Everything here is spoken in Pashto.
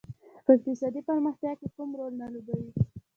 په اقتصادي پرمختیا کې کوم رول نه لوبوي.